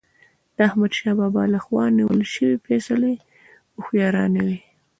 د احمدشاه بابا له خوا نیول سوي فيصلي هوښیارانه وي.